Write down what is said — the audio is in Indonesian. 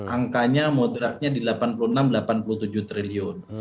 angkanya moderatnya di delapan puluh enam delapan puluh tujuh triliun